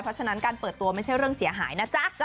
เพราะฉะนั้นการเปิดตัวไม่ใช่เรื่องเสียหายนะจ๊ะ